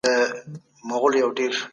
حیوانات مه ځوروئ.